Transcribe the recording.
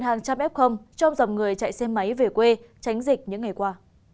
các tỉnh miền tây đã phát hiện hàng trăm f trong dòng người chạy xe máy về quê tránh dịch những ngày qua